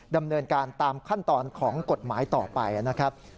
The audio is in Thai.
ดำเนินการตามขั้นตอนของกฎหมายต่อไปนะครับ